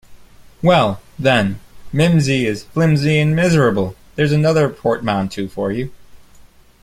Well, then, ‘mimsy’ is ‘flimsy and miserable’ - there’s another portmanteau for you.